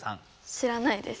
知らないです。